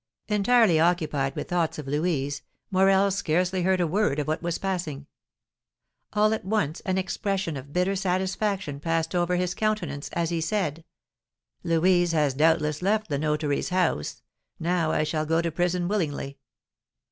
Entirely occupied with thoughts of Louise, Morel scarcely heard a word of what was passing. All at once an expression of bitter satisfaction passed over his countenance, as he said: "Louise has doubtless left the notary's house; now I shall go to prison willingly."